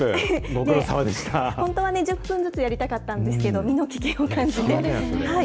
本当は１０分ずつやりたかったんですけど、身の危険を感じて。